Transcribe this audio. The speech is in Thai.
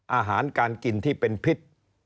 อาหารการกินที่เป็นพิษ